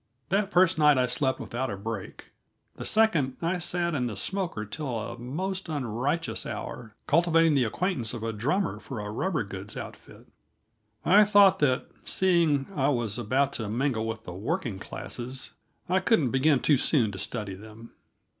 That first night I slept without a break; the second I sat in the smoker till a most unrighteous hour, cultivating the acquaintance of a drummer for a rubber goods outfit. I thought that, seeing I was about to mingle with the working classes, I couldn't begin too soon to study them.